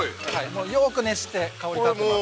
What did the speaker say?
よーく熱して香り立っていますから。